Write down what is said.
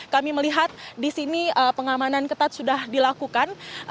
kami melihat di sini pengamanan ketat sudah dilakukan